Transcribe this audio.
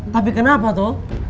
tapi kenapa tuh